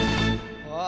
あ！